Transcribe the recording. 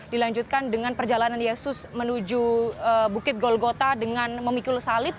dilanjutkan dengan perjalanan yesus menuju bukit golgota dengan memikul salib